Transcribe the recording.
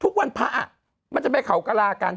ทุกวันพระมันจะไปเขากระลากัน